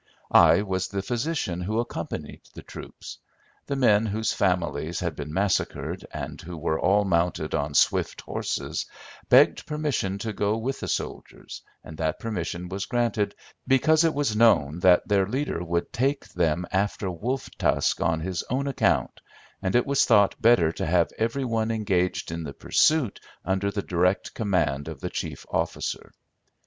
"I was the physician who accompanied the troops. The men whose families had been massacred, and who were all mounted on swift horses, begged permission to go with the soldiers, and that permission was granted, because it was known that their leader would take them after Wolf Tusk on his own account, and it was thought better to have every one engaged in the pursuit under the direct command of the chief officer.